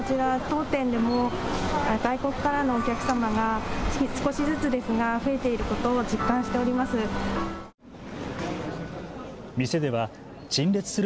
当店でも外国からのお客様が少しずつですが増えていることを実感しております。